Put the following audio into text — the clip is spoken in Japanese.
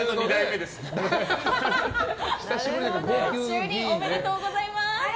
就任おめでとうございます。